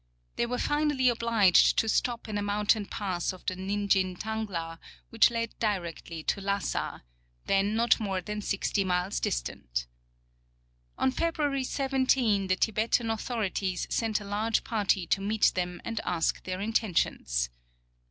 They were finally obliged to stop in a mountain pass of the Nindjin tangla, which led directly to Lassa, then not more than sixty miles distant. On February 17 the Tibetan authorities sent a large party to meet them and ask their intentions.